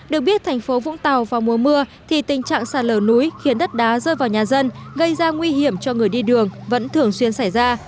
được biết thành phố vũng tàu vào mùa mưa thì tình trạng sạt lở núi khiến đất đá rơi vào nhà dân gây ra nguy hiểm cho người đi đường vẫn thường xuyên xảy ra